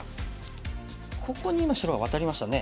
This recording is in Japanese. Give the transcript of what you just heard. ここに今白がワタりましたね。